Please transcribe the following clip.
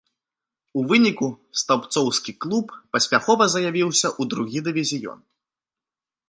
У выніку стаўбцоўскі клуб паспяхова заявіўся ў другі дывізіён.